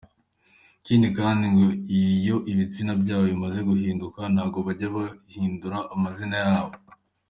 Ikindi kandi ngo iyo ibitsina byabo bimaze guhinduka, ntago bajya bahindura amazina yabo.